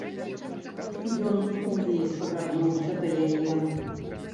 Ён увесь павярнуўся да яе.